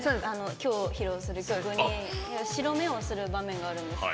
今日、披露する曲に白目をする場面があるんですが。